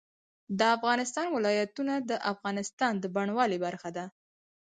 د افغانستان ولايتونه د افغانستان د بڼوالۍ برخه ده.